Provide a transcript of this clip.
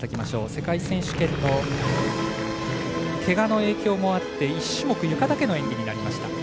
世界選手権のけがの影響もあって１種目、ゆかだけの演技になりました。